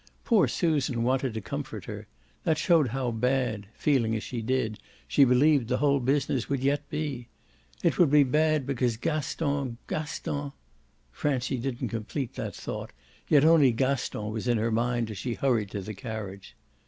Poor Susan wanted to comfort her; that showed how bad feeling as she did she believed the whole business would yet be. It would be bad because Gaston, Gaston ! Francie didn't complete that thought, yet only Gaston was in her mind as she hurried to the carriage.